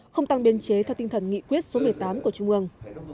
không tăng biên chế theo tinh thần nghị quyết số một mươi tám của trung ương